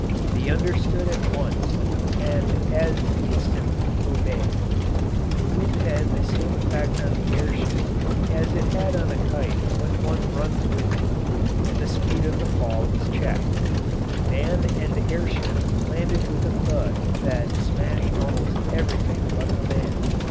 They understood at once and as instantly obeyed. The wind had the same effect on the air ship as it has on a kite when one runs with it, and the speed of the fall was checked. Man and air ship landed with a thud that smashed almost everything but the man.